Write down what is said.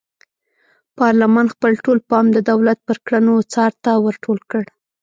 پارلمان خپل ټول پام د دولت پر کړنو څار ته ور ټول کړ.